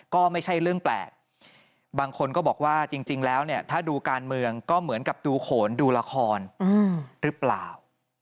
ก็ไม่ใช่เรื่องแปลกบางคนก็บอกว่าจริงแล้วเนี่ยถ้าดูการเมืองก็เหมือนกับดูโขนดูละครหรือเปล่า